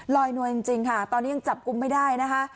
ลอยนวลจริงค่ะตอนนี้ยังจับกุมไม่ได้นะคะ